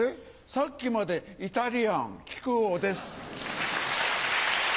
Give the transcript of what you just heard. さっきまでイタリアン木久扇です。